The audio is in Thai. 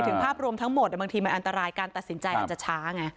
ภาพรวมทั้งหมดบางทีมันอันตรายการตัดสินใจอาจจะช้าไง